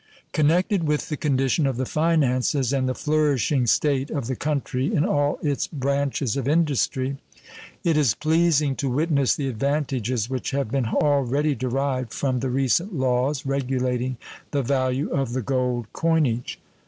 Connected with the condition of the finances and the flourishing state of the country in all its branches of industry, it is pleasing to witness the advantages which have been already derived from the recent laws regulating the value of the gold coinage.